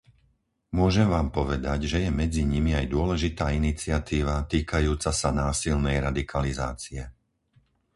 Môžem vám povedať, že je medzi nimi aj dôležitá iniciatíva týkajúca sa násilnej radikalizácie.